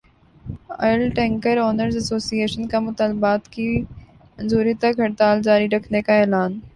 oil tanker owners association کا مطالبات کی منظوری تک ہڑتال جاری رکھنے کا اعلان